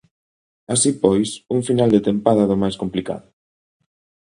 Así pois, un final de tempada do máis complicado.